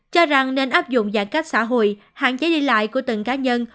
cho rằng nên áp dụng giãn cách xã hội hạn chế đi lại của từng cá nhân